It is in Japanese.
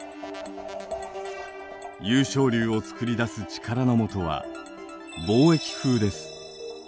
湧昇流を作り出す力のもとは貿易風です。